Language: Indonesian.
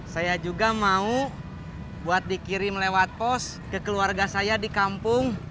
saya juga mau buat dikirim lewat pos ke keluarga saya di kampung